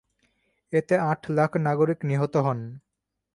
এতে আট লাখ নাগরিক নিহত হন।